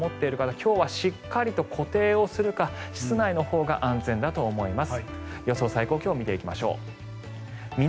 今日はしっかりと固定をするか室内のほうが安全だと思います。